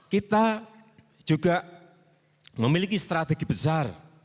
kita juga memiliki strategi besar